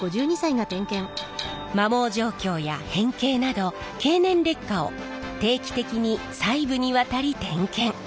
摩耗状況や変形など経年劣化を定期的に細部にわたり点検。